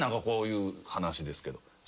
こういう話ですけど。